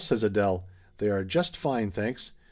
says Adele. "They are just fine, thanks.